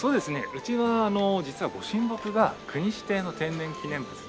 うちは実は御神木が国指定の天然記念物でして。